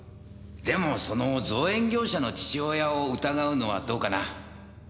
でもその造園業者の父親を疑うのはどうかな。